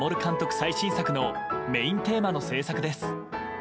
最新作のメインテーマの制作です。